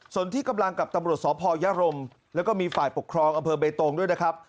ส่วนที่กำลังกับตำรวจสพยรมแล้วก็มีฝ่ายปกครองอำเภอเบตงด้วยนะครับ